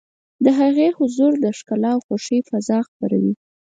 د هغې حضور د ښکلا او خوښۍ فضا خپروي.